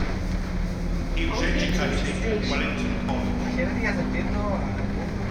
He was educated at Wellington College.